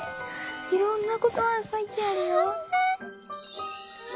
いろんなことばがかいてあるよ。